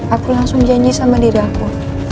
aku langsung janji sama diri aku